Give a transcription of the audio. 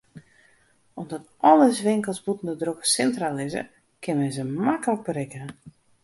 Omdat al ús winkels bûten de drokke sintra lizze, kin men se maklik berikke.